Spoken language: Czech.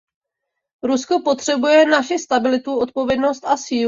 Rusko potřebuje naši stabilitu, odpovědnost a sílu.